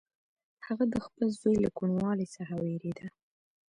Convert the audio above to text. هغه د خپل زوی له کوڼوالي څخه وېرېده.